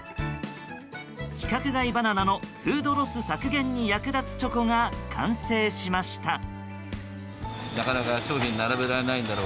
規格外バナナのフードロス削減に役立つチョコが完成しました。